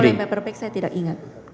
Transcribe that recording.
tapi kalau yang paperback saya tidak ingat